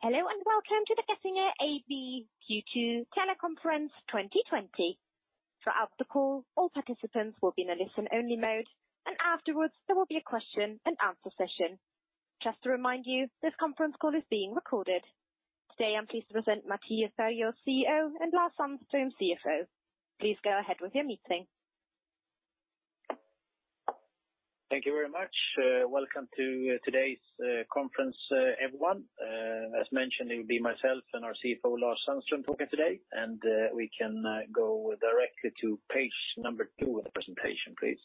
Hello and welcome to the Getinge AB Q2 Teleconference 2020. Throughout the call, all participants will be in a listen-only mode, and afterwards there will be a question-and-answer session. Just to remind you, this conference call is being recorded. Today I'm pleased to present Mattias Perjos, CEO, and Lars Sandström, CFO. Please go ahead with your meeting. Thank you very much. Welcome to today's conference, everyone. As mentioned, it will be myself and our CFO, Lars Sandström, talking today, and we can go directly to page number two of the presentation, please.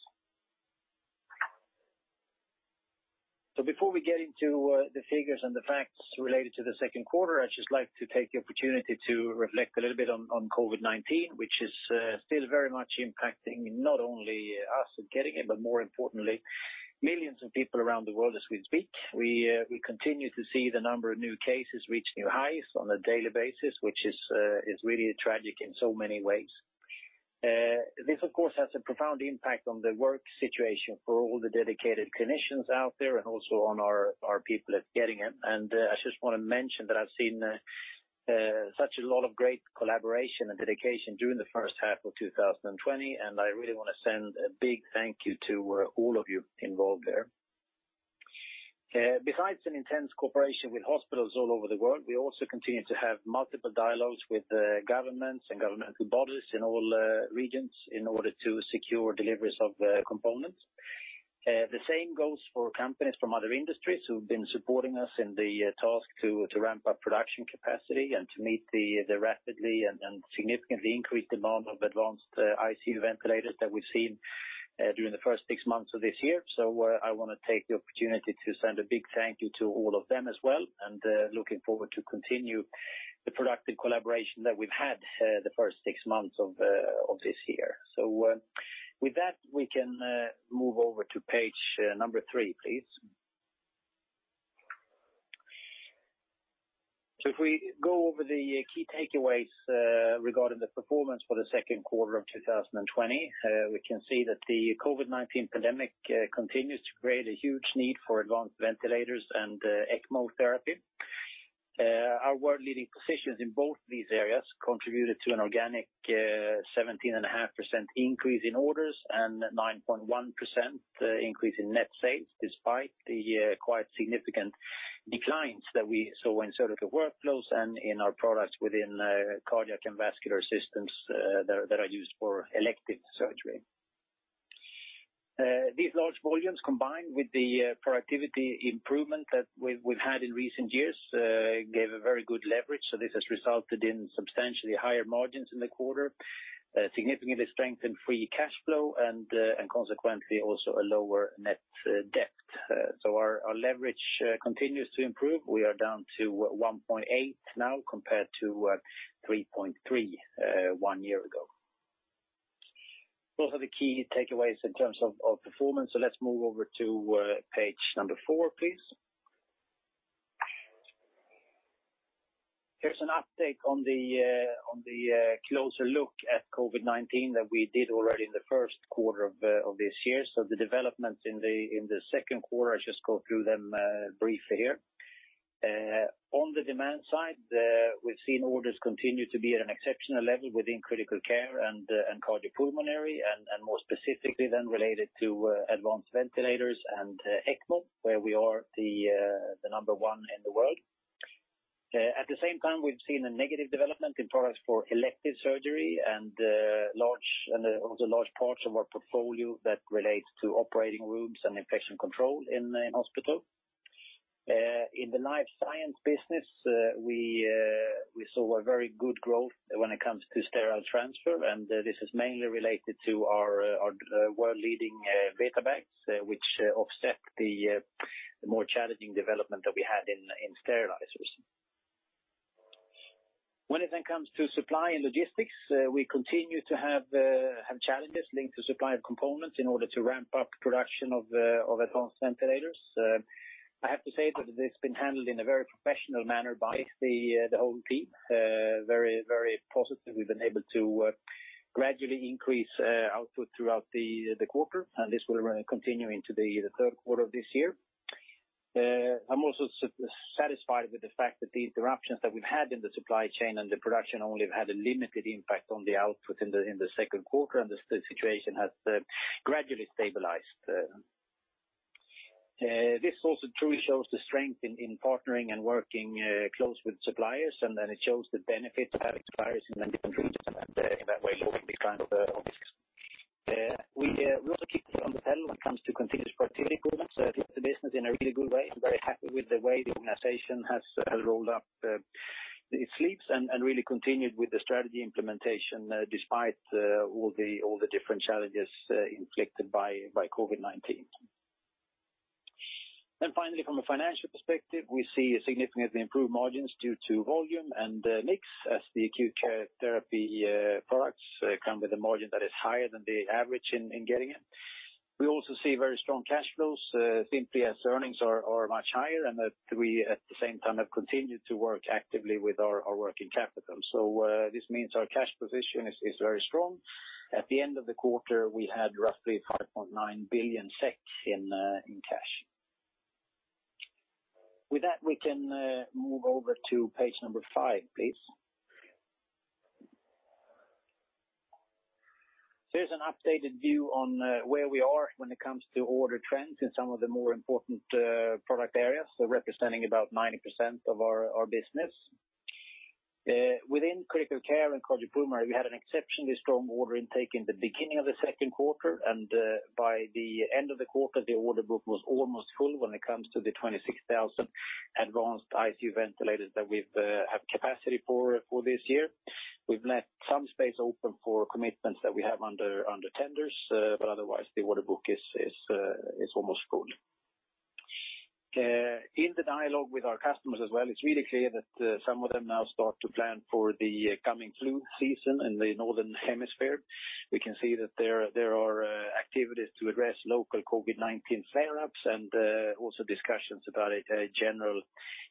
Before we get into the figures and the facts related to the second quarter, I'd just like to take the opportunity to reflect a little bit on COVID-19, which is still very much impacting not only us at Getinge, but more importantly, millions of people around the world as we speak. We continue to see the number of new cases reach new highs on a daily basis, which is really tragic in so many ways. This, of course, has a profound impact on the work situation for all the dedicated clinicians out there and also on our people at Getinge. I just want to mention that I've seen such a lot of great collaboration and dedication during the first half of 2020, and I really want to send a big thank you to all of you involved there. Besides an intense cooperation with hospitals all over the world, we also continue to have multiple dialogues with governments and governmental bodies in all regions in order to secure deliveries of components. The same goes for companies from other industries who've been supporting us in the task to ramp up production capacity and to meet the rapidly and significantly increased demand of advanced ICU ventilators that we've seen during the first six months of this year. I want to take the opportunity to send a big thank you to all of them as well, and looking forward to continue the productive collaboration that we've had the first six months of this year. With that, we can move over to page number three, please. If we go over the key takeaways regarding the performance for the second quarter of 2020, we can see that the COVID-19 pandemic continues to create a huge need for advanced ventilators and ECMO therapy. Our world-leading positions in both of these areas contributed to an organic 17.5% increase in orders and 9.1% increase in net sales, despite the quite significant declines that we saw in Surgical Workflows and in our products within cardiac and vascular systems that are used for elective surgery. These large volumes, combined with the productivity improvement that we've had in recent years, gave a very good leverage. This has resulted in substantially higher margins in the quarter, significantly strengthened free cash flow, and consequently also a lower net debt. Our leverage continues to improve. We are down to 1.8 now compared to 3.3 one year ago. Those are the key takeaways in terms of performance. Let's move over to page number four, please. Here is an update on the closer look at COVID-19 that we did already in the first quarter of this year. The developments in the second quarter, I'll just go through them briefly here. On the demand side, we've seen orders continue to be at an exceptional level within critical care and cardiopulmonary, and more specifically then related to advanced ventilators and ECMO, where we are the number one in the world. At the same time, we've seen a negative development in products for elective surgery and also large parts of our portfolio that relate to operating rooms and infection control in hospitals. In the Life Science business, we saw very good growth when it comes to sterile transfer, and this is mainly related to our world-leading BetaBag, which offset the more challenging development that we had in sterilizers. When it then comes to supply and logistics, we continue to have challenges linked to supply of components in order to ramp up production of advanced ventilators. I have to say that it's been handled in a very professional manner by the whole team. Very, very positive, we've been able to gradually increase output throughout the quarter, and this will continue into the third quarter of this year. I'm also satisfied with the fact that the interruptions that we've had in the supply chain and the production only have had a limited impact on the output in the second quarter, and the situation has gradually stabilized. This also truly shows the strength in partnering and working close with suppliers, and it shows the benefits of having suppliers in different regions, and in that way lowering the client obviously. We also keep this on the pedal when it comes to continuous productivity improvements. I think the business is in a really good way. I'm very happy with the way the organization has rolled up its sleeves and really continued with the strategy implementation despite all the different challenges inflicted by COVID-19. Finally, from a financial perspective, we see significantly improved margins due to volume and mix, as the Acute Care Therapies products come with a margin that is higher than the average in Getinge. We also see very strong cash flows, simply as earnings are much higher, and that we at the same time have continued to work actively with our working capital. This means our cash position is very strong. At the end of the quarter, we had roughly 5.9 billion SEK in cash. With that, we can move over to page number five, please. Here is an updated view on where we are when it comes to order trends in some of the more important product areas, representing about 90% of our business. Within critical care and cardiopulmonary, we had an exceptionally strong order intake in the beginning of the second quarter, and by the end of the quarter, the order book was almost full when it comes to the 26,000 advanced ICU ventilators that we have capacity for this year. We've left some space open for commitments that we have under tenders, but otherwise the order book is almost full. In the dialogue with our customers as well, it's really clear that some of them now start to plan for the coming flu season in the northern hemisphere. We can see that there are activities to address local COVID-19 flare-ups and also discussions about a general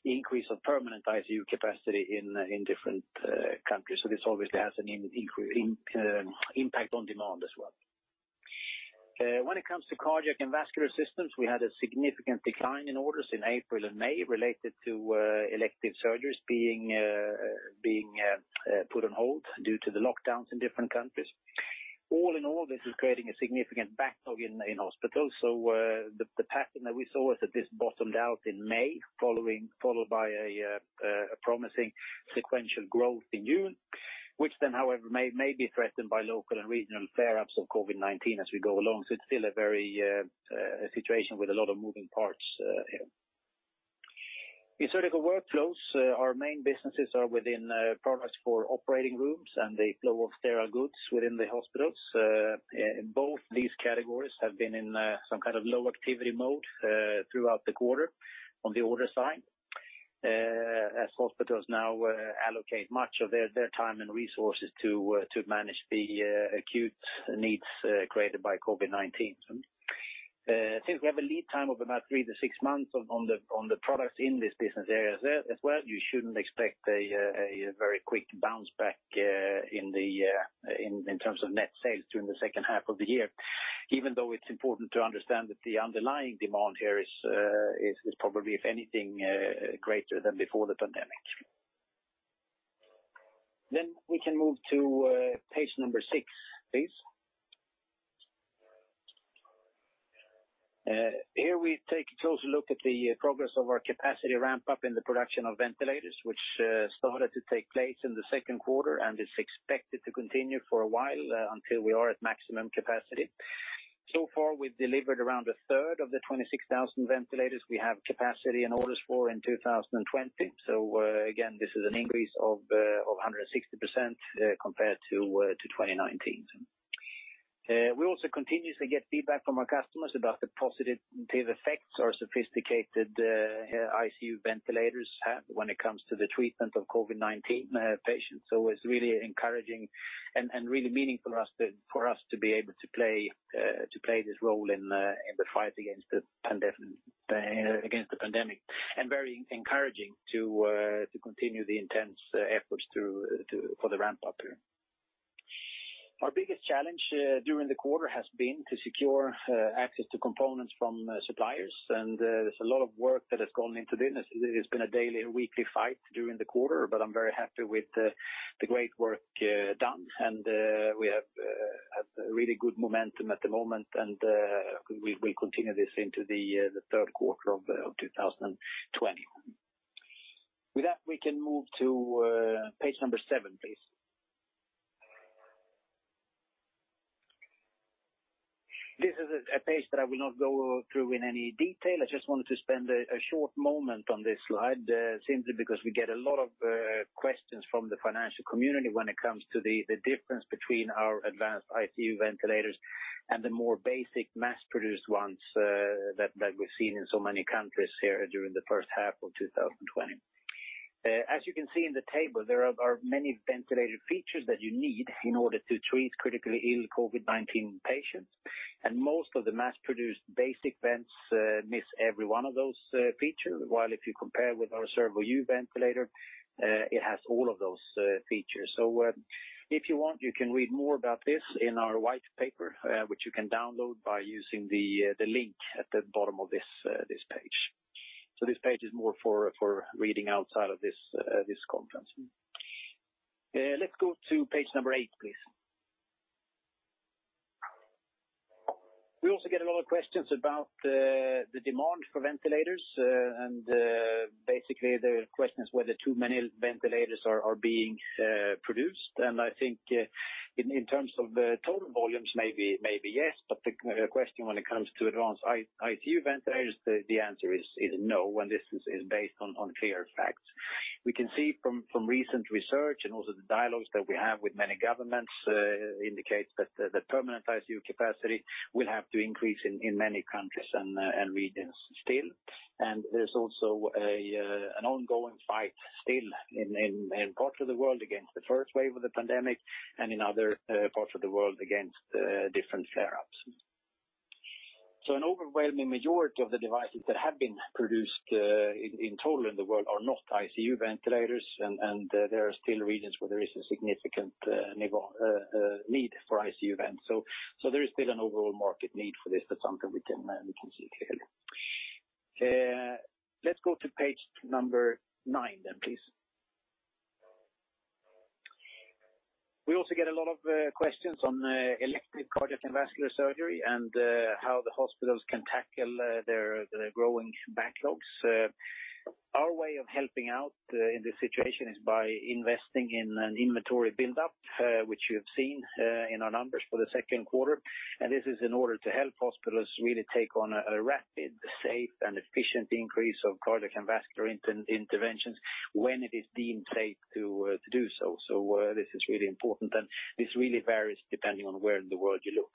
increase of permanent ICU capacity in different countries. This obviously has an impact on demand as well. When it comes to cardiac and vascular systems, we had a significant decline in orders in April and May related to elective surgeries being put on hold due to the lockdowns in different countries. All in all, this is creating a significant backlog in hospitals. The pattern that we saw is that this bottomed out in May, followed by a promising sequential growth in June, which then, however, may be threatened by local and regional flare-ups of COVID-19 as we go along. It is still a situation with a lot of moving parts here. In Surgical Workflows, our main businesses are within products for operating rooms and the flow of sterile goods within the hospitals. Both these categories have been in some kind of low activity mode throughout the quarter on the order side, as hospitals now allocate much of their time and resources to manage the acute needs created by COVID-19. Since we have a lead time of about three to six months on the products in this business area as well, you should not expect a very quick bounce back in terms of net sales during the second half of the year, even though it is important to understand that the underlying demand here is probably, if anything, greater than before the pandemic. We can move to page number six, please. Here we take a closer look at the progress of our capacity ramp-up in the production of ventilators, which started to take place in the second quarter and is expected to continue for a while until we are at maximum capacity. So far, we've delivered around a third of the 26,000 ventilators we have capacity in orders for in 2020. This is an increase of 160% compared to 2019. We also continuously get feedback from our customers about the positive effects our sophisticated ICU ventilators have when it comes to the treatment of COVID-19 patients. It is really encouraging and really meaningful for us to be able to play this role in the fight against the pandemic and very encouraging to continue the intense efforts for the ramp-up here. Our biggest challenge during the quarter has been to secure access to components from suppliers, and there's a lot of work that has gone into this. It's been a daily, weekly fight during the quarter, but I'm very happy with the great work done, and we have really good momentum at the moment, and we'll continue this into the third quarter of 2020. With that, we can move to page number seven, please. This is a page that I will not go through in any detail. I just wanted to spend a short moment on this slide simply because we get a lot of questions from the financial community when it comes to the difference between our advanced ICU ventilators and the more basic mass-produced ones that we've seen in so many countries here during the first half of 2020. As you can see in the table, there are many ventilator features that you need in order to treat critically ill COVID-19 patients, and most of the mass-produced basic vents miss every one of those features, while if you compare with our Servo-u ventilator, it has all of those features. If you want, you can read more about this in our white paper, which you can download by using the link at the bottom of this page. This page is more for reading outside of this conference. Let's go to page number eight, please. We also get a lot of questions about the demand for ventilators, and basically the question is whether too many ventilators are being produced. I think in terms of total volumes, maybe yes, but the question when it comes to advanced ICU ventilators, the answer is no, and this is based on clear facts. We can see from recent research and also the dialogues that we have with many governments indicates that the permanent ICU capacity will have to increase in many countries and regions still. There is also an ongoing fight still in parts of the world against the first wave of the pandemic and in other parts of the world against different flare-ups. An overwhelming majority of the devices that have been produced in total in the world are not ICU ventilators, and there are still regions where there is a significant need for ICU vents. There is still an overall market need for this. That's something we can see clearly. Let's go to page number nine then, please. We also get a lot of questions on elective cardiac and vascular surgery and how the hospitals can tackle their growing backlogs. Our way of helping out in this situation is by investing in an inventory build-up, which you've seen in our numbers for the second quarter. This is in order to help hospitals really take on a rapid, safe, and efficient increase of cardiac and vascular interventions when it is deemed safe to do so. This is really important, and this really varies depending on where in the world you look.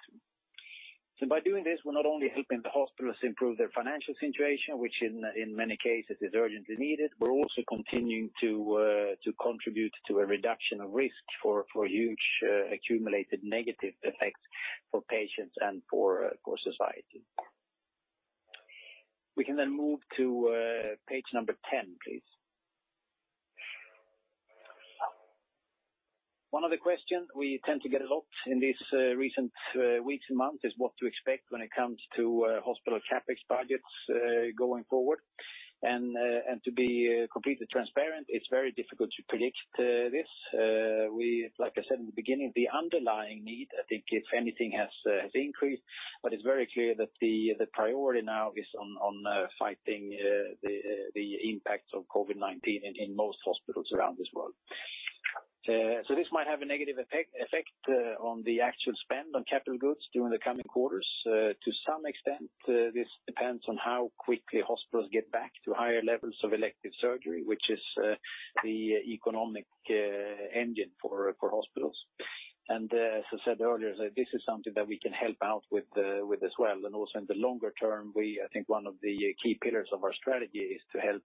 By doing this, we're not only helping the hospitals improve their financial situation, which in many cases is urgently needed. We're also continuing to contribute to a reduction of risk for huge accumulated negative effects for patients and for society. We can then move to page number ten, please. One other question we tend to get a lot in these recent weeks and months is what to expect when it comes to hospital CapEx budgets going forward. To be completely transparent, it's very difficult to predict this. Like I said in the beginning, the underlying need, I think if anything, has increased, but it's very clear that the priority now is on fighting the impacts of COVID-19 in most hospitals around this world. This might have a negative effect on the actual spend on capital goods during the coming quarters. To some extent, this depends on how quickly hospitals get back to higher levels of elective surgery, which is the economic engine for hospitals. As I said earlier, this is something that we can help out with as well. Also in the longer term, I think one of the key pillars of our strategy is to help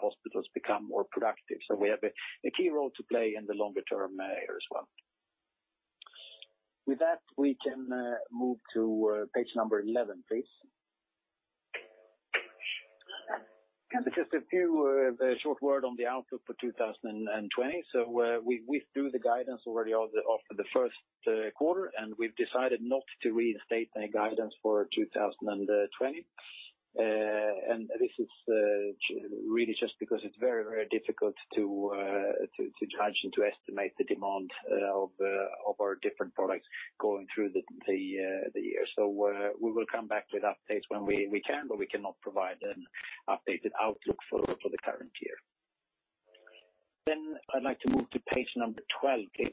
hospitals become more productive. We have a key role to play in the longer term here as well. With that, we can move to page number 11, please. Just a few short words on the outlook for 2020. We threw the guidance already off for the first quarter, and we've decided not to reinstate any guidance for 2020. This is really just because it's very, very difficult to judge and to estimate the demand of our different products going through the year. We will come back with updates when we can, but we cannot provide an updated outlook for the current year. I'd like to move to page number 12, please.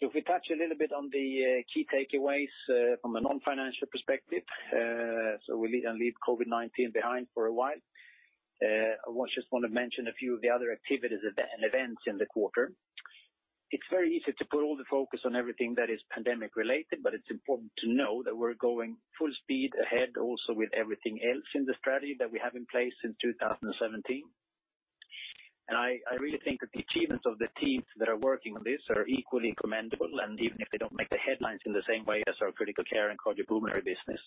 If we touch a little bit on the key takeaways from a non-financial perspective, we leave COVID-19 behind for a while. I just want to mention a few of the other activities and events in the quarter. It's very easy to put all the focus on everything that is pandemic-related, but it's important to know that we're going full speed ahead also with everything else in the strategy that we have in place since 2017. I really think that the achievements of the teams that are working on this are equally commendable, even if they don't make the headlines in the same way as our critical care and cardiopulmonary business.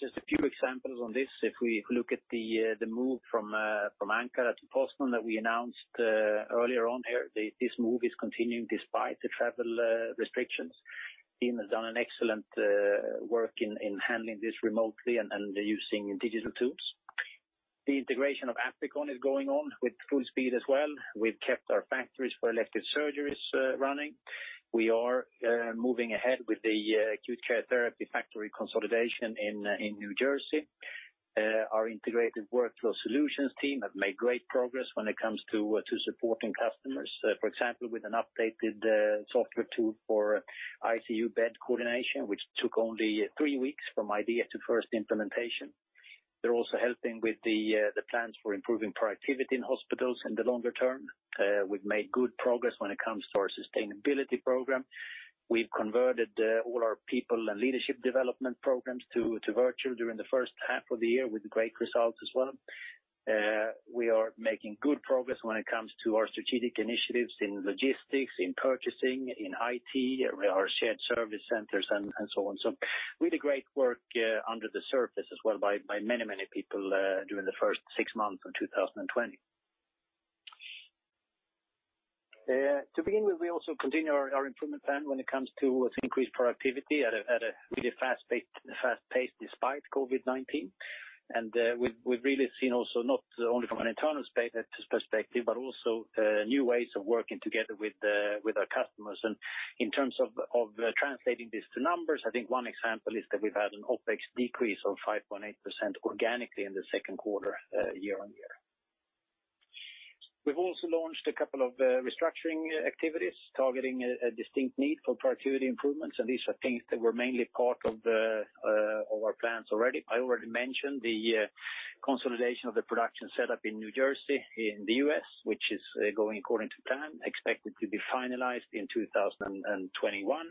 Just a few examples on this. If we look at the move from Ankara to Boston that we announced earlier on here, this move is continuing despite the travel restrictions. Team has done an excellent work in handling this remotely and using digital tools. The integration of Applikon is going on with full speed as well. We've kept our factories for elective surgeries running. We are moving ahead with the acute care therapy factory consolidation in New Jersey. Our integrated workflow solutions team have made great progress when it comes to supporting customers, for example, with an updated software tool for ICU bed coordination, which took only three weeks from idea to first implementation. They're also helping with the plans for improving productivity in hospitals in the longer term. We've made good progress when it comes to our sustainability program. We've converted all our people and leadership development programs to virtual during the first half of the year with great results as well. We are making good progress when it comes to our strategic initiatives in logistics, in purchasing, in IT, our shared service centers, and so on. Really great work under the surface as well by many, many people during the first six months of 2020. To begin with, we also continue our improvement plan when it comes to increased productivity at a really fast pace despite COVID-19. We have really seen also not only from an internal perspective, but also new ways of working together with our customers. In terms of translating this to numbers, I think one example is that we have had an OpEx decrease of 5.8% organically in the second quarter year on year. We have also launched a couple of restructuring activities targeting a distinct need for productivity improvements, and these are things that were mainly part of our plans already. I already mentioned the consolidation of the production setup in New Jersey in the U.S., which is going according to plan, expected to be finalized in 2021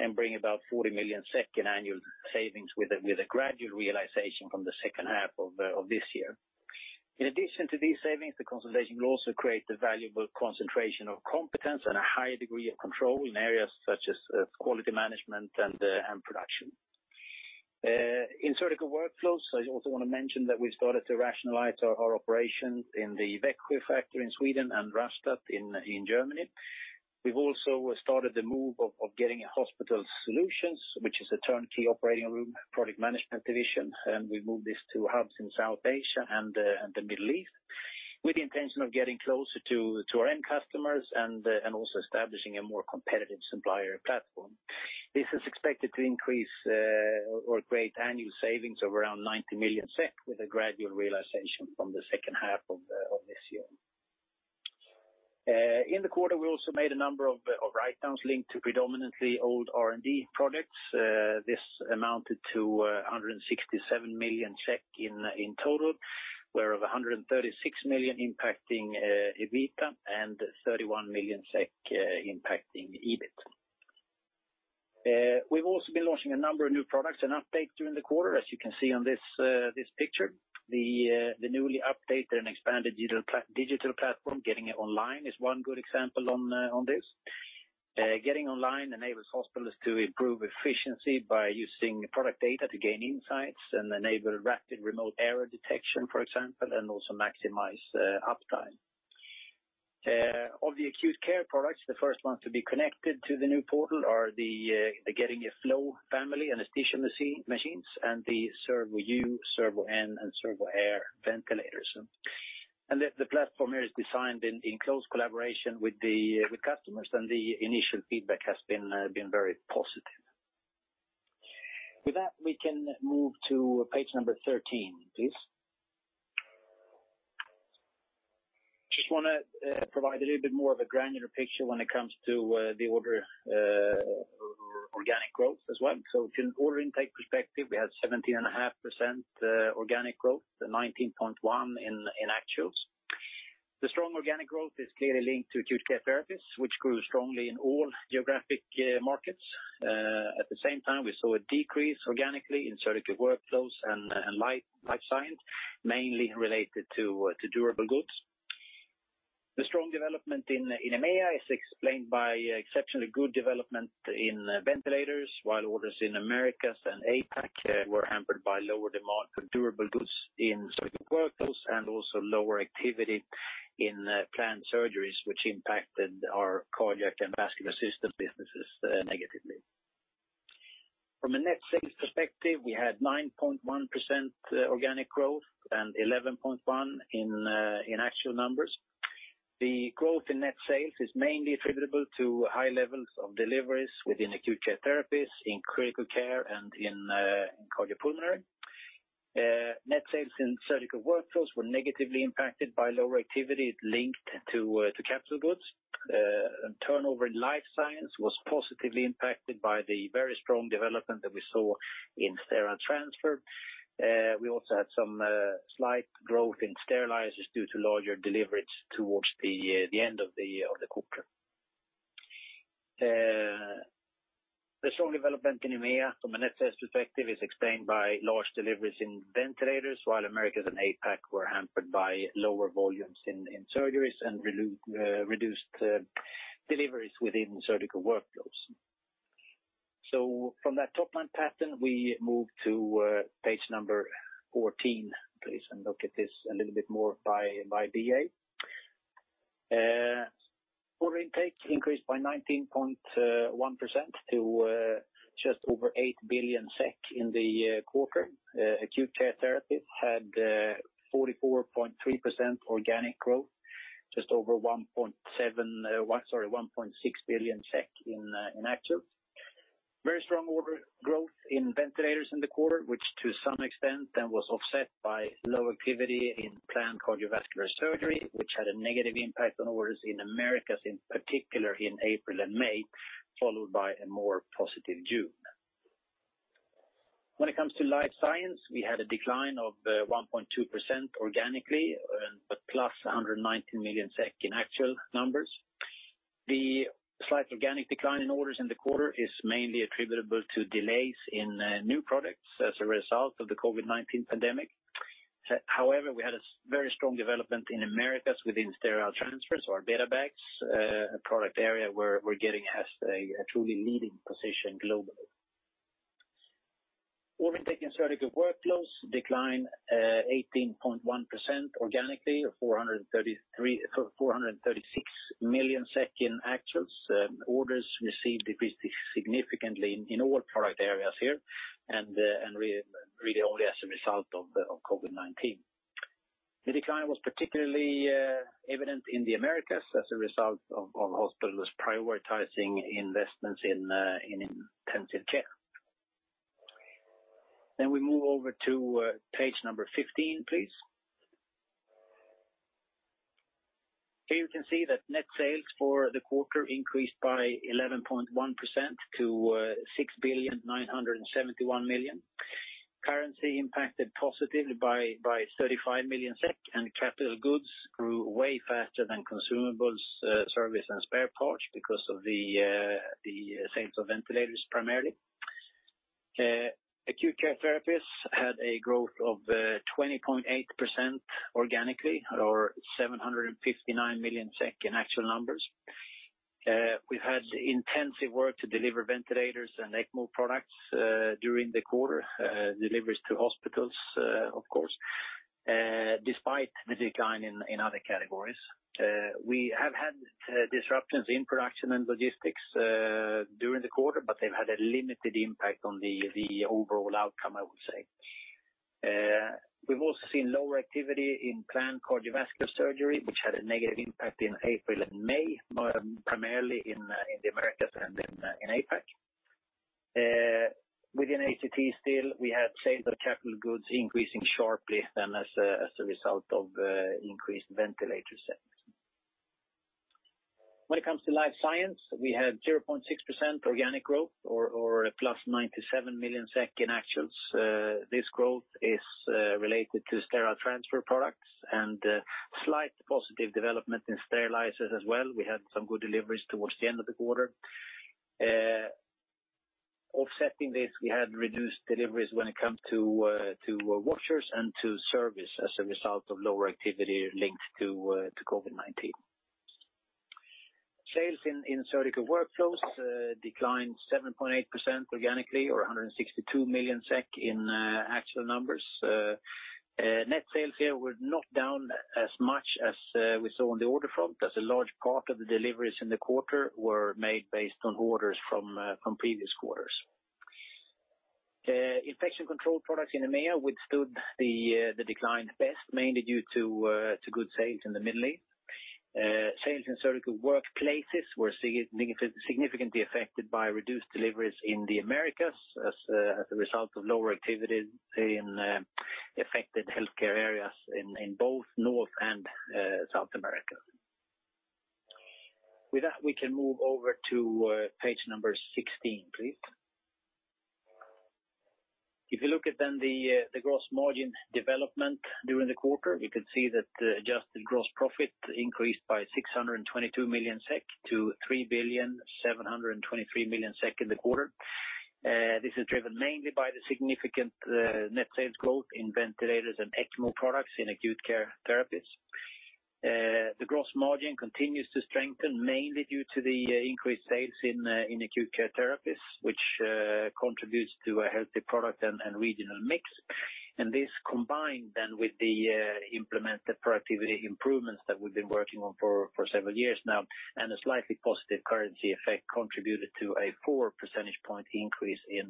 and bring about 40 million annual savings with a gradual realization from the second half of this year. In addition to these savings, the consolidation will also create a valuable concentration of competence and a higher degree of control in areas such as quality management and production. In Surgical Workflows, I also want to mention that we've started to rationalize our operations in the Växjö factory in Sweden and Rastatt in Germany. We've also started the move of Getinge Hospital Solutions, which is a turnkey operating room product management division, and we've moved this to hubs in South Asia and the Middle East with the intention of getting closer to our end customers and also establishing a more competitive supplier platform. This is expected to increase or create annual savings of around 90 million SEK with a gradual realization from the second half of this year. In the quarter, we also made a number of write-downs linked to predominantly old R&D products. This amounted to 167 million in total, whereof 136 million impacting EBITDA and 31 million impacting EBIT. We've also been launching a number of new products and updates during the quarter, as you can see on this picture. The newly updated and expanded digital platform, Getinge Online, is one good example on this. Getinge Online enables hospitals to improve efficiency by using product data to gain insights and enable rapid remote error detection, for example, and also maximize uptime. Of the acute care products, the first ones to be connected to the new portal are the Getinge Flow family anesthesia machines and the Servo-u, Servo-n, and Servo-air ventilators. The platform here is designed in close collaboration with customers, and the initial feedback has been very positive. With that, we can move to page number 13, please. I just want to provide a little bit more of a granular picture when it comes to the order organic growth as well. From an order intake perspective, we had 17.5% organic growth, 19.1% in actuals. The strong organic growth is clearly linked to Acute Care Therapies, which grew strongly in all geographic markets. At the same time, we saw a decrease organically in Surgical Workflows and Life Science, mainly related to durable goods. The strong development in EMEA is explained by exceptionally good development in ventilators, while orders in Americas and APAC were hampered by lower demand for durable goods in Surgical Workflows and also lower activity in planned surgeries, which impacted our cardiac and vascular system businesses negatively. From a net sales perspective, we had 9.1% organic growth and 11.1% in actual numbers. The growth in net sales is mainly attributable to high levels of deliveries within Acute Care Therapies in critical care and in cardiopulmonary. Net sales in Surgical Workflows were negatively impacted by lower activity linked to capital goods. Turnover in Life Science was positively impacted by the very strong development that we saw in Sterile Transfer. We also had some slight growth in sterilizers due to larger deliveries towards the end of the quarter. The strong development in EMEA from a net sales perspective is explained by large deliveries in ventilators, while Americas and APAC were hampered by lower volumes in surgeries and reduced deliveries within Surgical Workflows. From that top-line pattern, we move to page number 14, please, and look at this a little bit more by DA. Order intake increased by 19.1% to just over 8 billion SEK in the quarter. Acute Care Therapies had 44.3% organic growth, just over 1.6 billion SEK in actual. Very strong order growth in ventilators in the quarter, which to some extent then was offset by low activity in planned cardiovascular surgery, which had a negative impact on orders in Americas, in particular in April and May, followed by a more positive June. When it comes to Life Science, we had a decline of 1.2% organically, but plus 119 million SEK in actual numbers. The slight organic decline in orders in the quarter is mainly attributable to delays in new products as a result of the COVID-19 pandemic. However, we had a very strong development in Americas within sterile transfers, or BetaBag, a product area where Getinge has a truly leading position globally. Order intake in Surgical Workflows declined 18.1% organically, 436 million SEK in actuals. Orders received decreased significantly in all product areas here, and really only as a result of COVID-19. The decline was particularly evident in the Americas as a result of hospitals prioritizing investments in intensive care. We move over to page number 15, please. Here you can see that net sales for the quarter increased by 11.1% to 6,971,000,000. Currency impacted positively by 35 million SEK, and capital goods grew way faster than consumables, service, and spare parts because of the sales of ventilators primarily. Acute Care Therapies had a growth of 20.8% organically, or 759 million SEK in actual numbers. We've had intensive work to deliver ventilators and ECMO products during the quarter, deliveries to hospitals, of course, despite the decline in other categories. We have had disruptions in production and logistics during the quarter, but they've had a limited impact on the overall outcome, I would say. We've also seen lower activity in planned cardiovascular surgery, which had a negative impact in April and May, primarily in the Americas and in APAC. Within ACT still, we had sales of capital goods increasing sharply then as a result of increased ventilator sales. When it comes to Life Science, we had 0.6% organic growth, or plus 97 million SEK in actuals. This growth is related to sterile transfer products and slight positive development in sterilizers as well. We had some good deliveries towards the end of the quarter. Offsetting this, we had reduced deliveries when it comes to washers and to service as a result of lower activity linked to COVID-19. Sales in Surgical Workflows declined 7.8% organically, or 162 million SEK in actual numbers. Net sales here were not down as much as we saw on the order front, as a large part of the deliveries in the quarter were made based on orders from previous quarters. Infection Control products in EMEA withstood the decline best, mainly due to good sales in the Middle East. Sales in Surgical Workflows were significantly affected by reduced deliveries in the Americas as a result of lower activity in affected healthcare areas in both North and South America. With that, we can move over to page number 16, please. If you look at then the gross margin development during the quarter, you can see that adjusted gross profit increased by 622 million SEK to 3,723 million SEK in the quarter. This is driven mainly by the significant net sales growth in ventilators and ECMO products in Acute Care Therapies. The gross margin continues to strengthen mainly due to the increased sales in Acute Care Therapies, which contributes to a healthy product and regional mix. This combined then with the implemented productivity improvements that we've been working on for several years now and a slightly positive currency effect contributed to a 4 percentage point increase in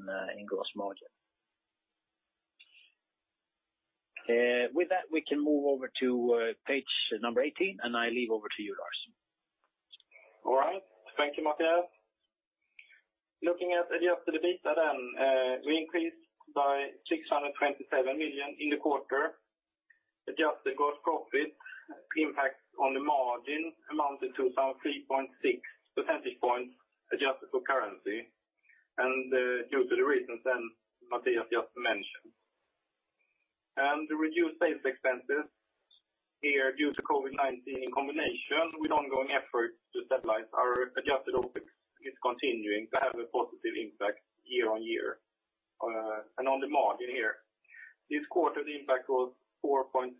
gross margin. With that, we can move over to page number 18, and I leave over to you, Lars. All right. Thank you, Mattias. Looking at adjusted EBITDA then, we increased by 627 million in the quarter. Adjusted gross profit impacts on the margin amounted to some 3.6 percentage points adjusted for currency and due to the reasons that Mattias just mentioned. The reduced sales expenses here due to COVID-19 in combination with ongoing efforts to stabilize our adjusted OpEx is continuing to have a positive impact year on year and on the margin here. This quarter, the impact was 4.5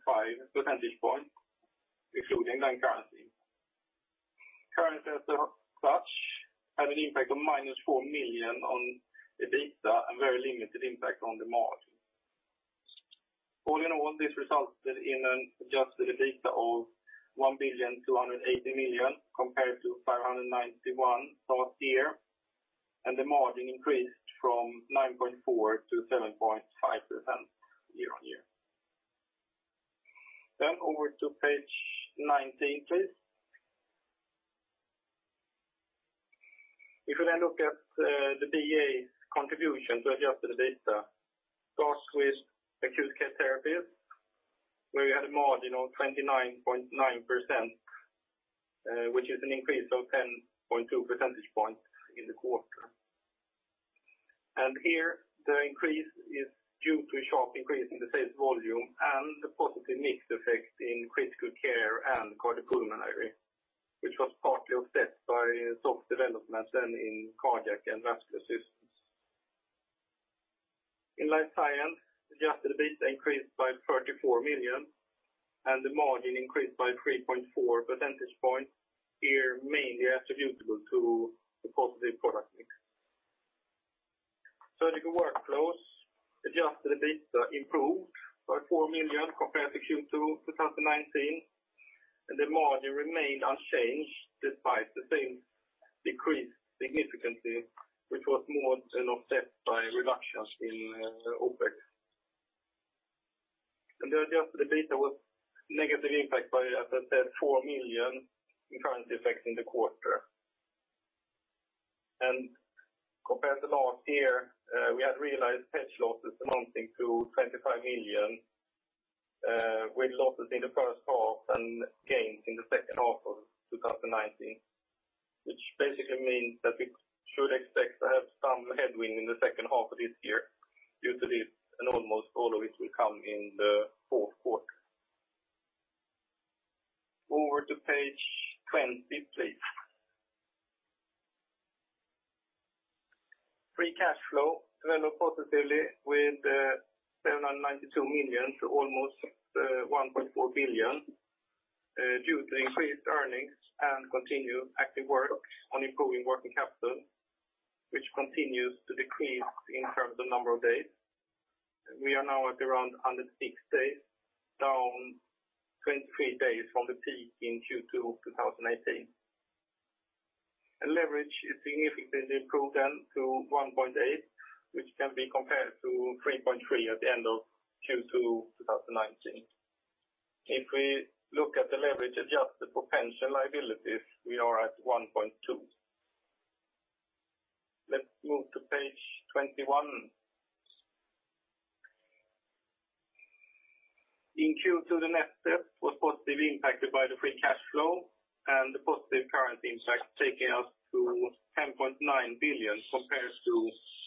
percentage points, excluding then currency. Currency as such had an impact of minus 4 million on EBITDA and very limited impact on the margin. All in all, this resulted in an adjusted EBITDA of 1,280 million compared to 591 million last year, and the margin increased from 9.4% to 7.5% year on year. Over to page 19, please. If we then look at the DA's contribution to adjusted EBITDA, it starts with Acute Care Therapies, where we had a margin of 29.9%, which is an increase of 10.2 percentage points in the quarter. Here, the increase is due to a sharp increase in the sales volume and the positive mix effect in Critical Care and Cardiopulmonary, which was partly offset by soft development then in Cardiac and Vascular Systems. In Life Science, adjusted EBITDA increased by 34 million, and the margin increased by 3.4 percentage points, mainly attributable to the positive product mix. Surgical Workflows, adjusted EBITDA improved by 4 million compared to Q2 2019, and the margin remained unchanged despite the sales decreased significantly, which was more than offset by reductions in OpEx. The adjusted EBITDA was negatively impacted by, as I said, SEK 4 million in currency effect in the quarter. Compared to last year, we had realized hedge losses amounting to 25 million, with losses in the first half and gains in the second half of 2019, which basically means that we should expect to have some headwind in the second half of this year due to this, and almost all of it will come in the fourth quarter. Over to page 20, please. Free cash flow developed positively with 792 million to almost 1.4 billion due to increased earnings and continued active work on improving working capital, which continues to decrease in terms of number of days. We are now at around 106 days, down 23 days from the peak in Q2 2018. Leverage is significantly improved then to 1.8, which can be compared to 3.3 at the end of Q2 2019. If we look at the leverage adjusted for pension liabilities, we are at 1.2. Let's move to page 21. In Q2, the net sales was positively impacted by the free cash flow and the positive current impact, taking us to 10.9 billion compared to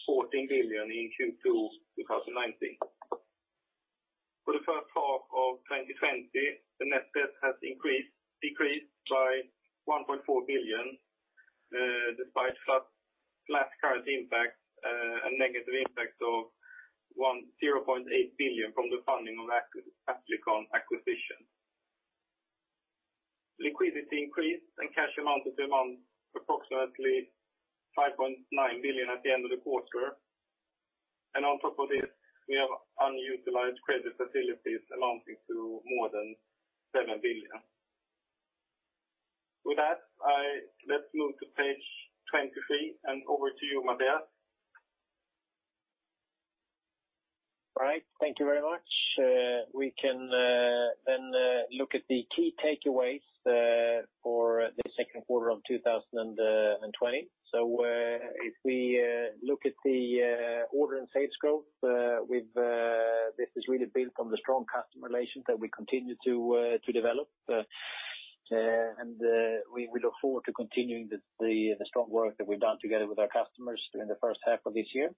14 billion in Q2 2019. For the first half of 2020, the net sales has decreased by 1.4 billion despite flat current impact and negative impact of 0.8 billion from the funding of Applikon acquisition. Liquidity increased and cash amounted to approximately 5.9 billion at the end of the quarter. On top of this, we have unutilized credit facilities amounting to more than 7 billion. With that, let's move to page 23, and over to you, Mattias. All right. Thank you very much. We can then look at the key takeaways for the second quarter of 2020. If we look at the order and sales growth, this is really built on the strong customer relations that we continue to develop, and we look forward to continuing the strong work that we've done together with our customers during the first half of this year.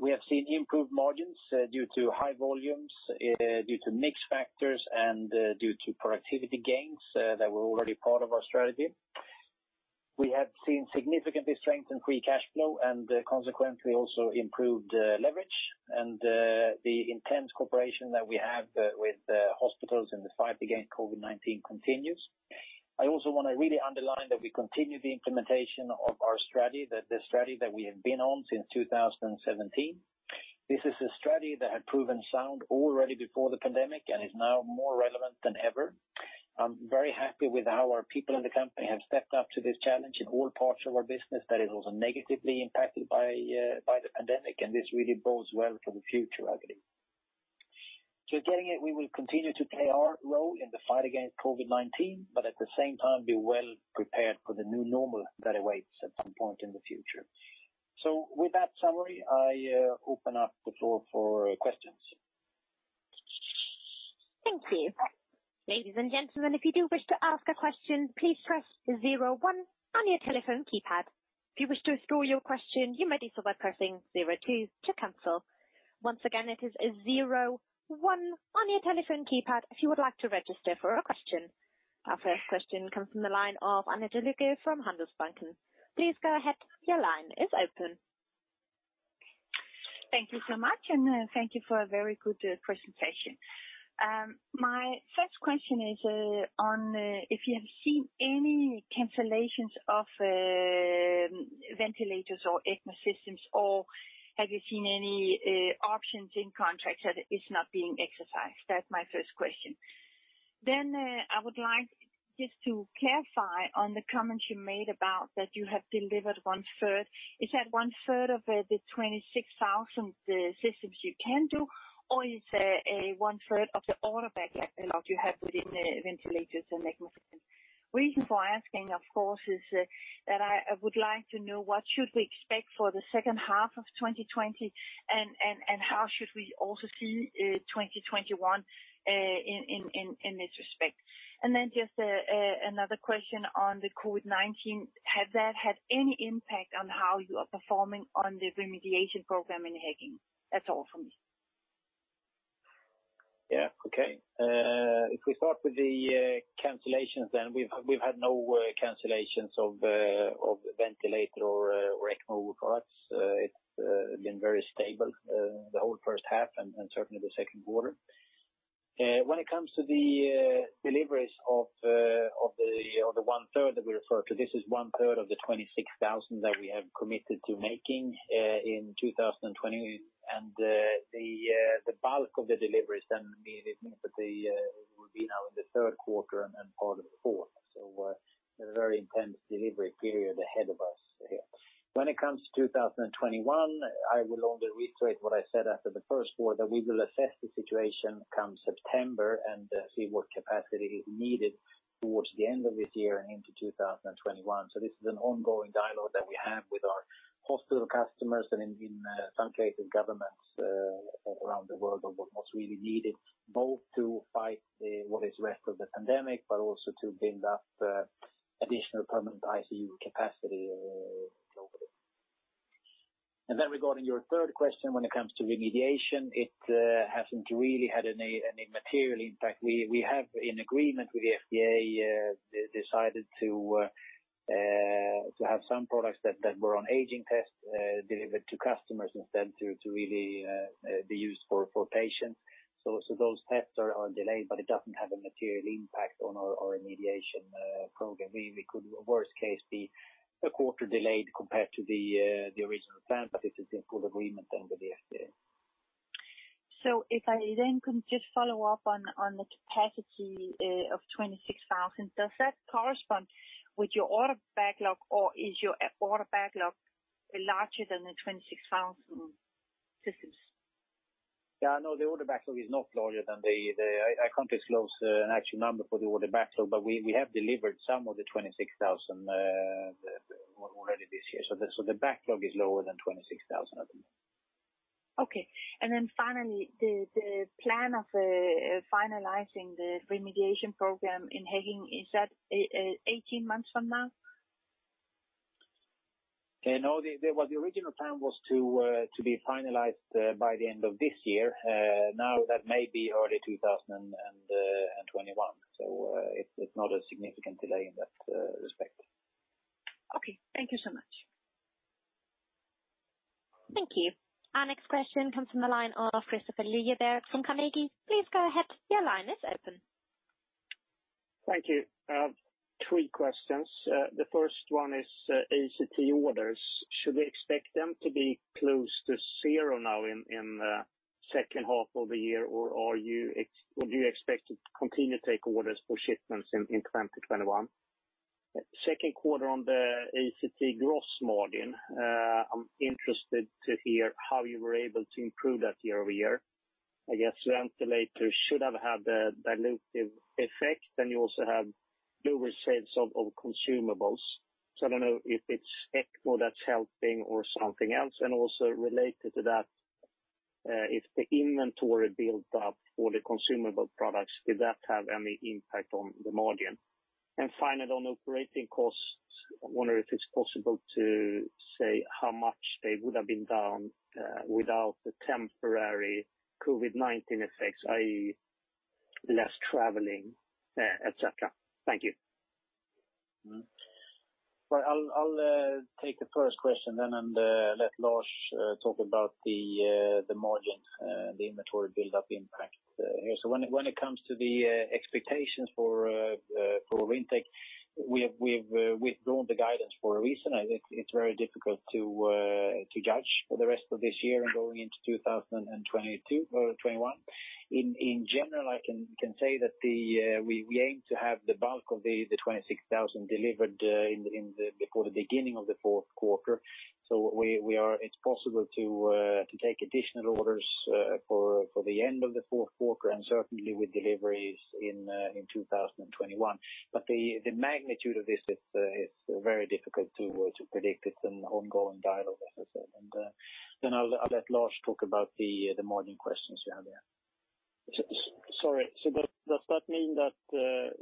We have seen improved margins due to high volumes, due to mixed factors, and due to productivity gains that were already part of our strategy. We have seen significantly strengthened free cash flow and consequently also improved leverage, and the intense cooperation that we have with hospitals in the fight against COVID-19 continues. I also want to really underline that we continue the implementation of our strategy, the strategy that we have been on since 2017. This is a strategy that had proven sound already before the pandemic and is now more relevant than ever. I'm very happy with how our people in the company have stepped up to this challenge in all parts of our business that is also negatively impacted by the pandemic, and this really bodes well for the future, I believe. Getinge, we will continue to play our role in the fight against COVID-19, but at the same time, be well prepared for the new normal that awaits at some point in the future. With that summary, I open up the floor for questions. Thank you. Ladies and gentlemen, if you do wish to ask a question, please press 01 on your telephone keypad. If you wish to restore your question, you may do so by pressing 02 to cancel. Once again, it is 01 on your telephone keypad if you would like to register for a question. Our first question comes from the line of Annette Lykke from Handelsbanken. Please go ahead. Your line is open. Thank you so much, and thank you for a very good presentation. My first question is on if you have seen any cancellations of ventilators or ECMO systems, or have you seen any options in contracts that are not being exercised. That is my first question. I would like just to clarify on the comments you made about that you have delivered one-third. Is that one-third of the 26,000 systems you can do, or is it one-third of the order backlog you have within ventilators and ECMO systems? The reason for asking, of course, is that I would like to know what should we expect for the second half of 2020, and how should we also see 2021 in this respect? I have just another question on the COVID-19. Has that had any impact on how you are performing on the remediation program in Hechingen? That's all for me. Yeah. Okay. If we start with the cancellations then, we've had no cancellations of ventilator or ECMO products. It's been very stable the whole first half and certainly the second quarter. When it comes to the deliveries of the one-third that we refer to, this is one-third of the 26,000 that we have committed to making in 2020, and the bulk of the deliveries then means that we'll be now in the third quarter and part of the fourth. We have a very intense delivery period ahead of us here. When it comes to 2021, I will only reiterate what I said after the first quarter, that we will assess the situation come September and see what capacity is needed towards the end of this year and into 2021. This is an ongoing dialogue that we have with our hospital customers and, in some cases, governments around the world on what's really needed, both to fight what is the rest of the pandemic, but also to build up additional permanent ICU capacity globally. Regarding your third question, when it comes to remediation, it hasn't really had any material impact. We have, in agreement with the FDA, decided to have some products that were on aging tests delivered to customers instead to really be used for patients. Those tests are delayed, but it doesn't have a material impact on our remediation program. We could, worst case, be a quarter delayed compared to the original plan, but this is in full agreement then with the FDA. If I then could just follow up on the capacity of 26,000, does that correspond with your order backlog, or is your order backlog larger than the 26,000 systems? Yeah. No, the order backlog is not larger than the I can't disclose an actual number for the order backlog, but we have delivered some of the 26,000 already this year. The backlog is lower than 26,000 at the moment. Okay. Finally, the plan of finalizing the remediation program in Hechingen, is that 18 months from now? No, the original plan was to be finalized by the end of this year. Now that may be early 2021. It is not a significant delay in that respect. Okay. Thank you so much. Thank you. Our next question comes from the line of Kristofer Liljeberg from Carnegie. Please go ahead. Your line is open. Thank you. Three questions. The first one is ACT orders. Should we expect them to be close to zero now in the second half of the year, or do you expect to continue to take orders for shipments in 2021? Second quarter on the ACT gross margin, I'm interested to hear how you were able to improve that year over year. I guess ventilators should have had a dilutive effect, and you also have lower sales of consumables. I don't know if it's ECMO that's helping or something else. Also related to that, if the inventory built up for the consumable products, did that have any impact on the margin? Finally, on operating costs, I wonder if it's possible to say how much they would have been down without the temporary COVID-19 effects, i.e., less traveling, etc. Thank you. Right. I'll take the first question then and let Lars talk about the margin, the inventory build-up impact here. When it comes to the expectations for intake, we've withdrawn the guidance for a reason. It's very difficult to judge for the rest of this year and going into 2021. In general, I can say that we aim to have the bulk of the 26,000 delivered before the beginning of the fourth quarter. It's possible to take additional orders for the end of the fourth quarter and certainly with deliveries in 2021. The magnitude of this is very difficult to predict. It's an ongoing dialogue, as I said. I'll let Lars talk about the margin questions you have here. Sorry. Does that mean that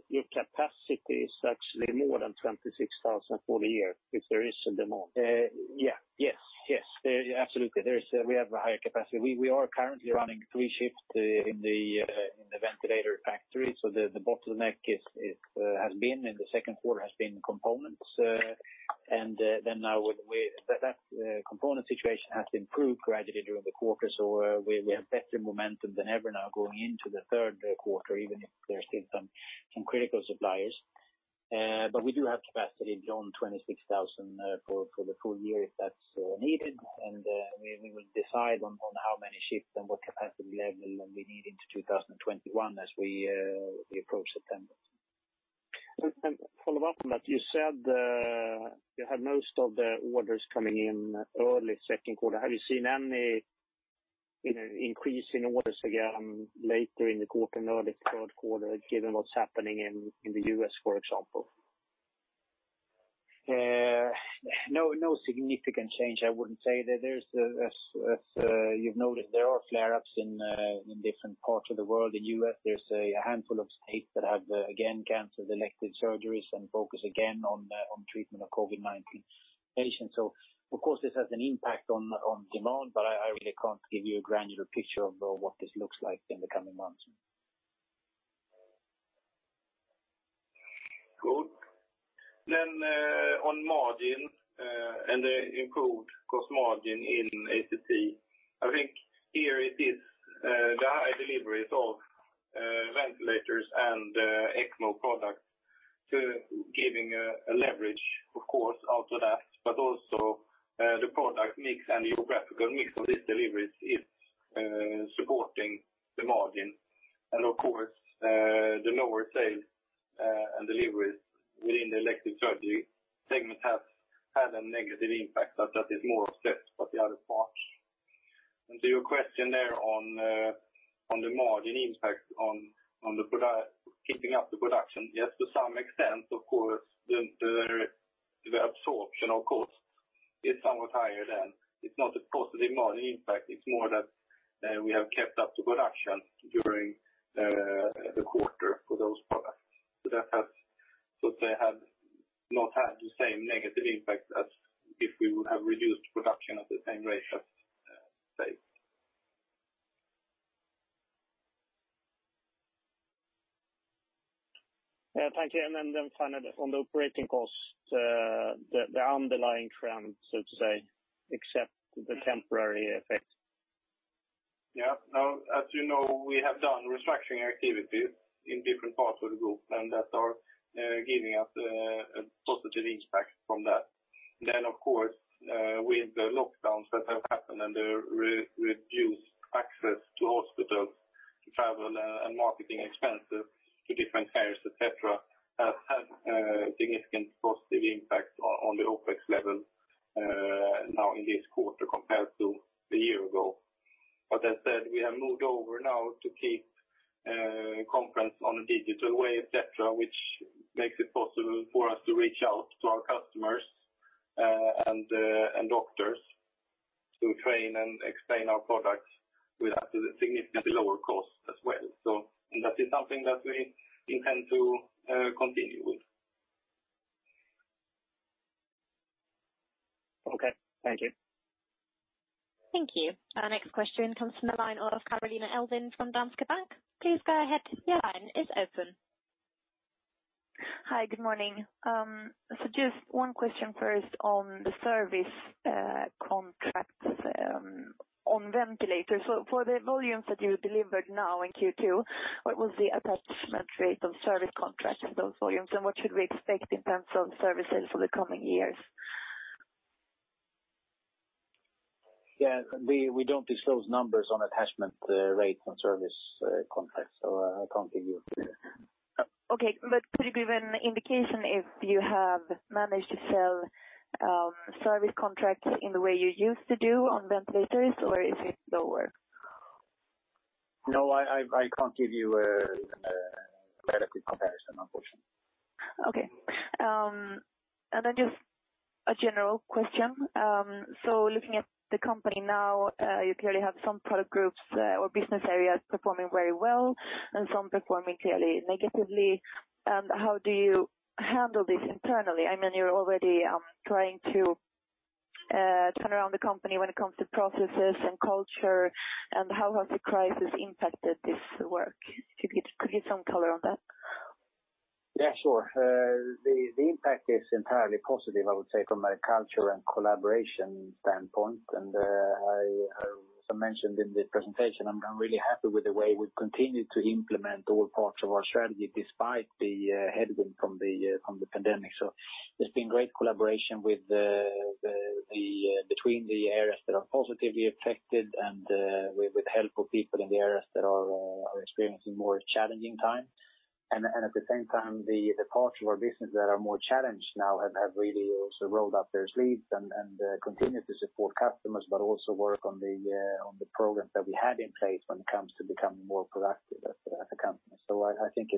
your capacity is actually more than 26,000 for the year if there is a demand? Yeah. Yes. Yes. Absolutely. We have a higher capacity. We are currently running three shifts in the ventilator factory. The bottleneck has been in the second quarter, has been components. Now that component situation has improved gradually during the quarter, we have better momentum than ever now going into the third quarter, even if there are still some critical suppliers. We do have capacity beyond 26,000 for the full year if that's needed, and we will decide on how many shifts and what capacity level we need into 2021 as we approach September. Follow up on that. You said you had most of the orders coming in early second quarter. Have you seen any increase in orders again later in the quarter and early third quarter, given what's happening in the U.S., for example? No significant change, I wouldn't say. As you've noticed, there are flare-ups in different parts of the world. In the U.S., there's a handful of states that have, again, canceled elective surgeries and focus again on treatment of COVID-19 patients. Of course, this has an impact on demand, but I really can't give you a granular picture of what this looks like in the coming months. Good. On margin, and the improved gross margin in Acute Care Therapies, I think here it is that high deliveries of ventilators and ECMO products are giving a leverage, of course, out of that, but also the product mix Hi. Good morning. Just one question first on the service contracts on ventilators. For the volumes that you delivered now in Q2, what was the attachment rate of service contracts, those volumes, and what should we expect in terms of service sales for the coming years? Yeah. We do not disclose numbers on attachment rates on service contracts, so I cannot give you. Okay. Could you give an indication if you have managed to sell service contracts in the way you used to do on ventilators, or is it lower? No, I cannot give you a relative comparison, unfortunately. Okay. Just a general question. Looking at the company now, you clearly have some product groups or business areas performing very well and some performing clearly negatively. How do you handle this internally? I mean, you are already trying to turn around the company when it comes to processes and culture, and how has the crisis impacted this work? Could you get some color on that? Yeah. Sure. The impact is entirely positive, I would say, from a culture and collaboration standpoint. As I mentioned in the presentation, I'm really happy with the way we've continued to implement all parts of our strategy despite the headwind from the pandemic. There has been great collaboration between the areas that are positively affected and with help of people in the areas that are experiencing more challenging times. At the same time, the parts of our business that are more challenged now have really also rolled up their sleeves and continue to support customers, but also work on the programs that we had in place when it comes to becoming more productive as a company. I think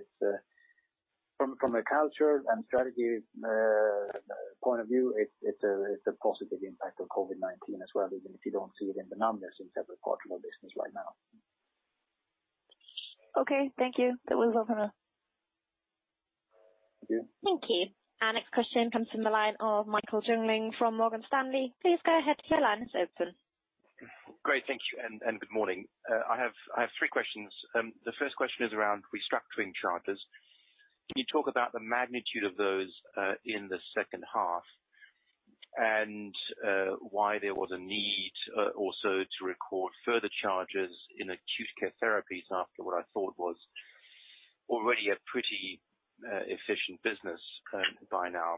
from a culture and strategy point of view, it's a positive impact on COVID-19 as well, even if you don't see it in the numbers in several parts of our business right now. Okay. Thank you. That was all from us. Thank you. Thank you. Our next question comes from the line of Michael Jungling from Morgan Stanley. Please go ahead. Your line is open. Great. Thank you. And good morning. I have three questions. The first question is around restructuring charges. Can you talk about the magnitude of those in the second half and why there was a need also to record further charges in Acute Care Therapies after what I thought was already a pretty efficient business by now?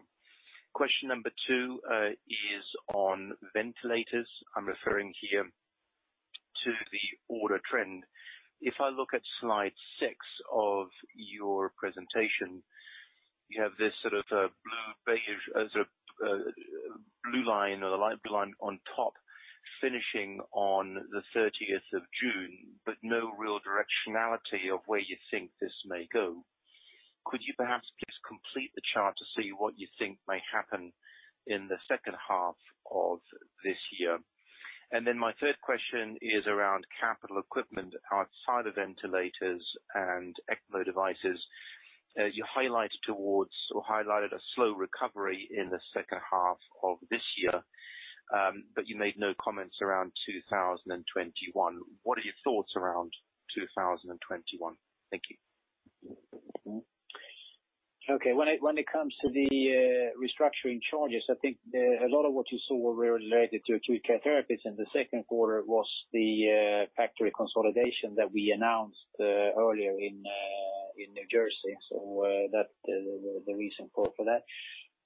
Question number two is on ventilators. I'm referring here to the order trend. If I look at slide six of your presentation, you have this sort of blue line or the light blue line on top finishing on the 30th of June, but no real directionality of where you think this may go. Could you perhaps just complete the chart to see what you think may happen in the second half of this year? My third question is around capital equipment outside of ventilators and ECMO devices. You highlighted a slow recovery in the second half of this year, but you made no comments around 2021. What are your thoughts around 2021? Thank you. Okay. When it comes to the restructuring charges, I think a lot of what you saw related to Acute Care Therapies in the second quarter was the factory consolidation that we announced earlier in New Jersey. That is the reason for that.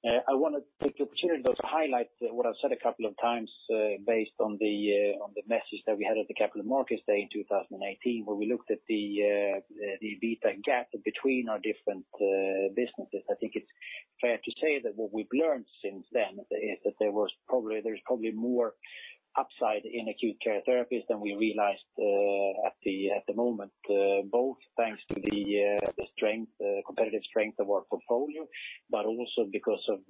I want to take the opportunity to highlight what I've said a couple of times based on the message that we had at the Capital Markets Day in 2018, where we looked at the beta gap between our different businesses. I think it's fair to say that what we've learned since then is that there's probably more upside in Acute Care Therapies than we realized at the moment, both thanks to the competitive strength of our portfolio, but also because of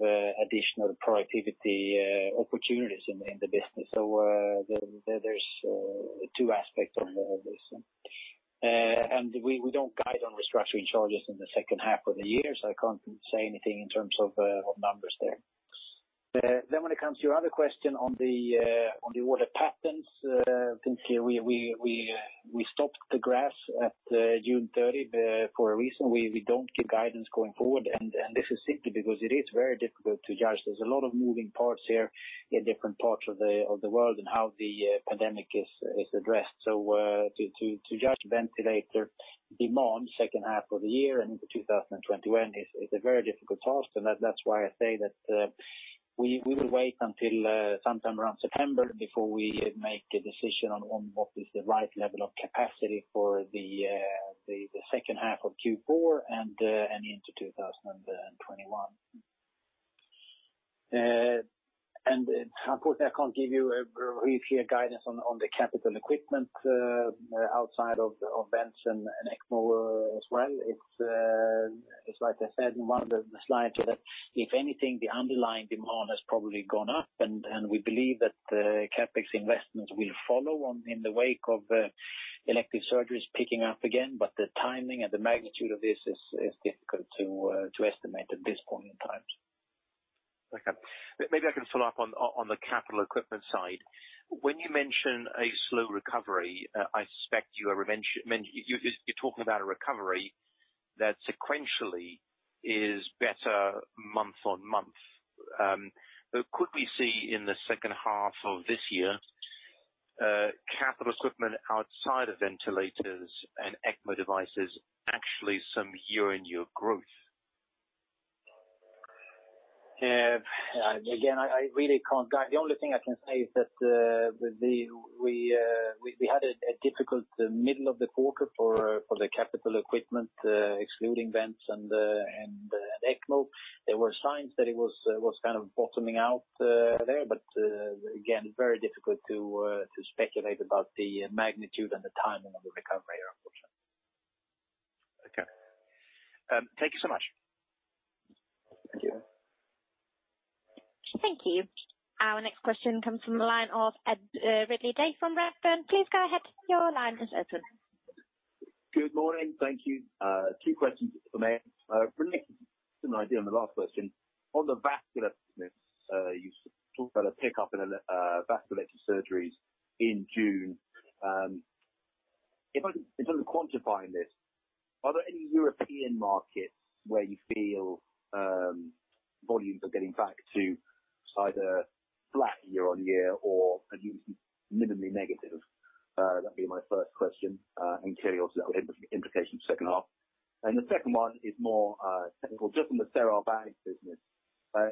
additional productivity opportunities in the business. There are two aspects of this. We do not guide on restructuring charges in the second half of the year, so I can't say anything in terms of numbers there. When it comes to your other question on the order patterns, I think we stopped the graph at June 30 for a reason. We do not give guidance going forward, and this is simply because it is very difficult to judge. There are a lot of moving parts here in different parts of the world and how the pandemic is addressed. To judge ventilator demand second half of the year and into 2021 is a very difficult task. That is why I say that we will wait until sometime around September before we make a decision on what is the right level of capacity for the second half of Q4 and into 2021. Unfortunately, I cannot give you a very clear guidance on the capital equipment outside of ventilators and ECMO as well. Like I said in one of the slides, if anything, the underlying demand has probably gone up, and we believe that CapEx investments will follow in the wake of elective surgeries picking up again. The timing and the magnitude of this is difficult to estimate at this point in time. Okay. Maybe I can follow up on the capital equipment side. When you mention a slow recovery, I suspect you're talking about a recovery that sequentially is better month on month. Could we see in the second half of this year capital equipment outside of ventilators and ECMO devices actually some year-on-year growth? Yeah. Again, I really can't guide. The only thing I can say is that we had a difficult middle of the quarter for the capital equipment, excluding vents and ECMO. There were signs that it was kind of bottoming out there, but again, very difficult to speculate about the magnitude and the timing of the recovery here, unfortunately. Okay. Thank you so much. Thank you. Thank you. Our next question comes from the line of Ed Ridley-Day from Redburn. Please go ahead. Your line is open. Good morning. Thank you. Two questions for me. Related to an idea on the last question, on the vascular business, you talked about a pickup in vascular surgeries in June. In terms of quantifying this, are there any European markets where you feel volumes are getting back to either flat year on year or minimally negative? That would be my first question and clearly also that would have implications for the second half. The second one is more technical. Just on the Stelar Bank business,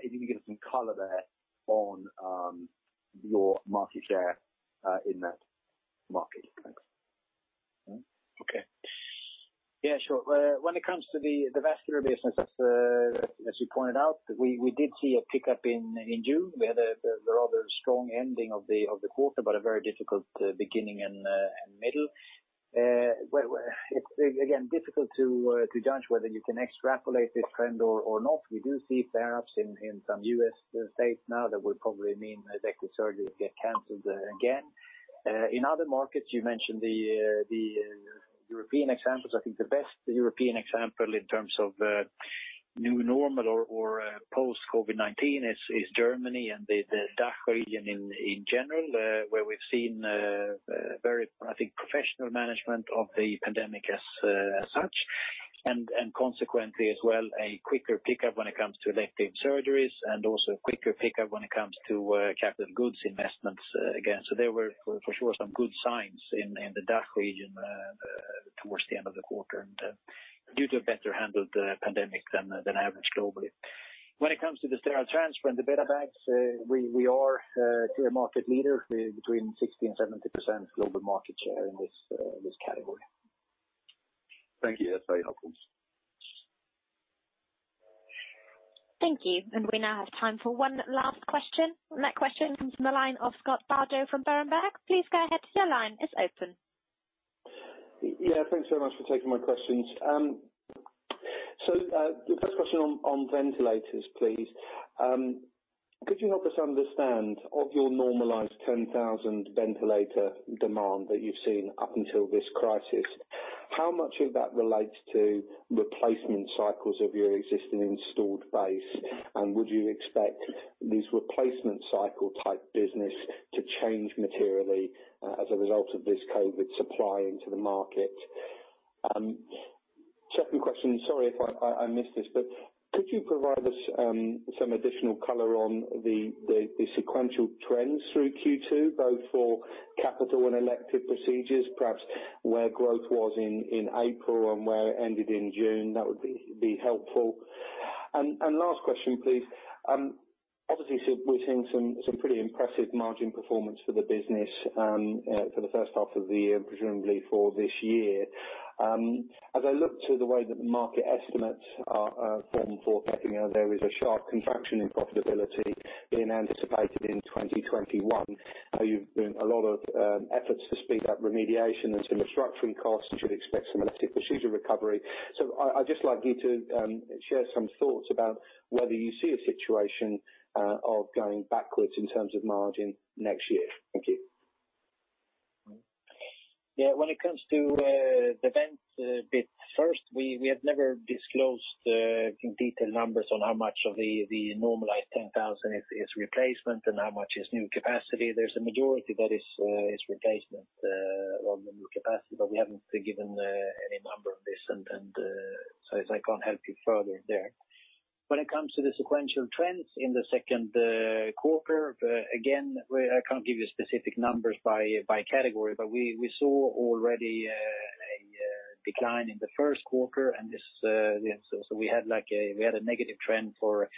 if you can give us some color there on your market share in that market. Thanks. Okay. Yeah. Sure. When it comes to the vascular business, as you pointed out, we did see a pickup in June. We had a rather strong ending of the quarter, but a very difficult beginning and middle. Again, difficult to judge whether you can extrapolate this trend or not. We do see flare-ups in some U.S. states now that will probably mean that active surgeries get canceled again. In other markets, you mentioned the European examples. I think the best European example in terms of new normal or post-COVID-19 is Germany and the DACH region in general, where we've seen very, I think, professional management of the pandemic as such. Consequently, as well, a quicker pickup when it comes to elective surgeries and also a quicker pickup when it comes to capital goods investments again. There were, for sure, some good signs in the DACH region towards the end of the quarter due to a better-handled pandemic than average globally. When it comes to the Sterile Transfer and the BetaBags, we are a clear market leader between 60-70% global market share in this category. Thank you. That's very helpful. Thank you. We now have time for one last question. Next question comes from the line of Scott Bardo from Berenberg. Please go ahead. Your line is open. Yeah. Thanks very much for taking my questions. The first question on ventilators, please. Could you help us understand of your normalized 10,000 ventilator demand that you've seen up until this crisis, how much of that relates to replacement cycles of your existing installed base? Would you expect this replacement cycle type business to change materially as a result of this COVID supply into the market? Second question. Sorry if I missed this, but could you provide us some additional color on the sequential trends through Q2, both for capital and elective procedures, perhaps where growth was in April and where it ended in June? That would be helpful. Last question, please. Obviously, we're seeing some pretty impressive margin performance for the business for the first half of the year and presumably for this year. As I look to the way that the market estimates are formed forecasting, there is a sharp contraction in profitability being anticipated in 2021. There have been a lot of efforts to speed up remediation and some restructuring costs. You should expect some elective procedure recovery. I'd just like you to share some thoughts about whether you see a situation of going backwards in terms of margin next year. Thank you. Yeah. When it comes to the Vence bit first, we have never disclosed detailed numbers on how much of the normalized 10,000 is replacement and how much is new capacity. There is a majority that is replacement of the new capacity, but we have not given any number on this, and so I cannot help you further there. When it comes to the sequential trends in the second quarter, again, I cannot give you specific numbers by category, but we saw already a decline in the first quarter. We had a negative trend for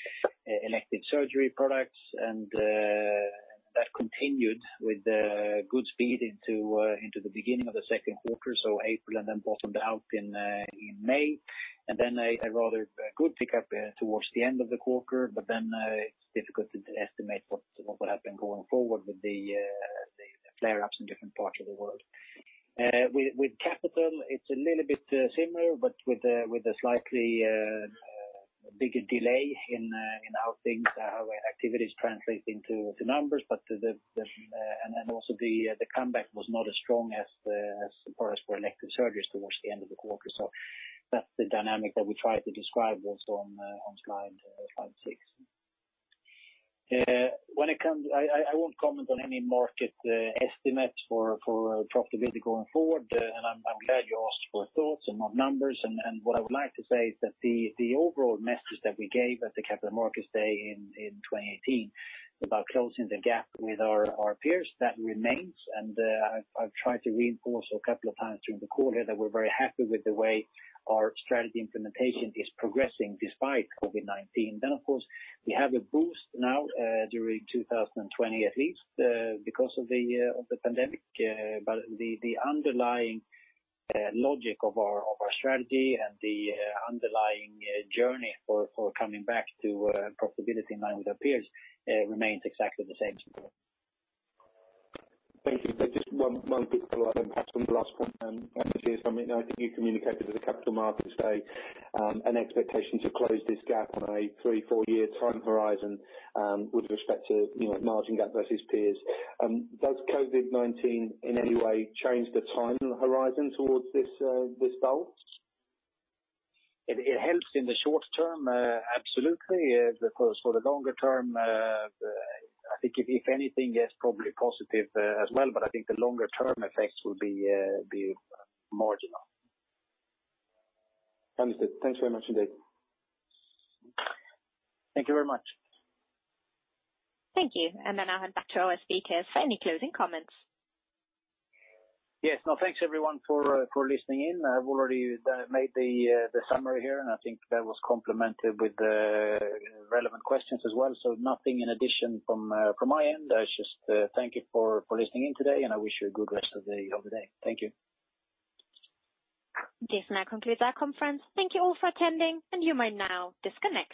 elective surgery products, and that continued with good speed into the beginning of the second quarter, April, and then bottomed out in May. There was a rather good pickup towards the end of the quarter, but then it is difficult to estimate what will happen going forward with the flare-ups in different parts of the world. With capital, it's a little bit similar, but with a slightly bigger delay in how things and how activities translate into numbers. Also, the comeback was not as strong as for elective surgeries towards the end of the quarter. That is the dynamic that we tried to describe also on slide six. I won't comment on any market estimates for profitability going forward, and I'm glad you asked for thoughts and not numbers. What I would like to say is that the overall message that we gave at the Capital Markets Day in 2018 about closing the gap with our peers, that remains. I have tried to reinforce a couple of times during the call here that we're very happy with the way our strategy implementation is progressing despite COVID-19. Of course, we have a boost now during 2020, at least, because of the pandemic. The underlying logic of our strategy and the underlying journey for coming back to profitability in line with our peers remains exactly the same. Thank you. Just one quick follow-up on the last point. I think you communicated with the Capital Markets Day an expectation to close this gap on a three, four-year time horizon with respect to margin gap versus peers. Does COVID-19 in any way change the time horizon towards this goal? It helps in the short term, absolutely. For the longer term, I think if anything, it is probably positive as well, but I think the longer-term effects will be marginal. Understood. Thanks very much, indeed. Thank you very much. Thank you. I will hand back to our speakers for any closing comments. Yes. No, thanks, everyone, for listening in. I've already made the summary here, and I think that was complemented with relevant questions as well. Nothing in addition from my end. I just thank you for listening in today, and I wish you a good rest of the day. Thank you. This now concludes our conference. Thank you all for attending, and you may now disconnect.